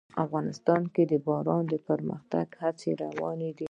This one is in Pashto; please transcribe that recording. افغانستان کې د باران د پرمختګ هڅې روانې دي.